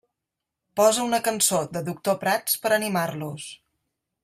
Posa una cançó de Doctor Prats per animar-los.